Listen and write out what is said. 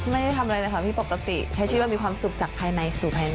ไม่ได้ทำอะไรนะคะเป็นความปกติใช้ชีวิตว่ามีความสุขจากภายในสู่ภายนอกค่ะ